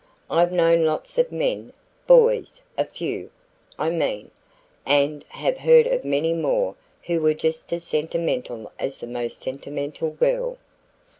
I've known lots of men boys a few, I mean and have heard of many more who were just as sentimental as the most sentimental girl."